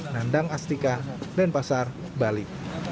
nandang astika denpasar bali